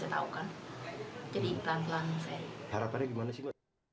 harapannya gimana sih mbak